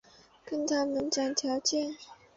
跟他们谈条件